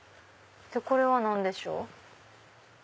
これは何でしょう？